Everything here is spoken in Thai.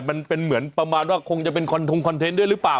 มันเป็นเหมือนประมาณว่าคงจะเป็นคอนทงคอนเทนต์ด้วยหรือเปล่า